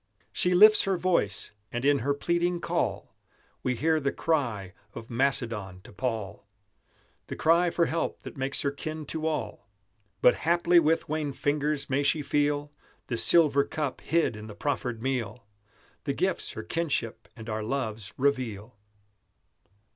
She lifts her voice, and in her pleading call We hear the cry of Macedon to Paul, The cry for help that makes her kin to all. But haply with wan fingers may she feel The silver cup hid in the proffered meal, The gifts her kinship and our loves reveal.